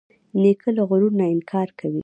نیکه له غرور نه انکار کوي.